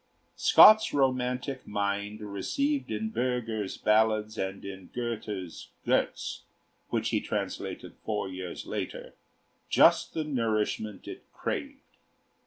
Scott's romantic mind received in Bürger's ballads and in Goethe's 'Götz,' which he translated four years later, just the nourishment it craved.